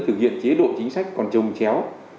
thực hiện chế độ chính sách còn trồng chéo